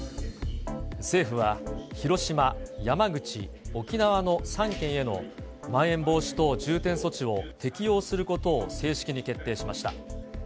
政府は、広島、山口、沖縄の３県へのまん延防止等重点措置を適用することを正式に決定しました。